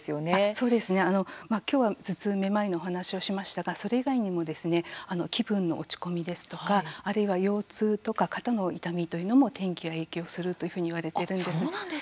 そうですね、きょうは頭痛、めまいの話をしましたがそれ以外にも気分の落ち込みですとかあるいは腰痛とか肩の痛みというのも天気が影響するというふうにいわれているんです。